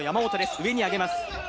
上にあげます。